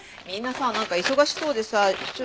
みんなさなんか忙しそうでさ。